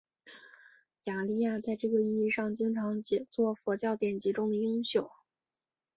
雅利亚在这个意义上经常解作佛教典籍中的英雄。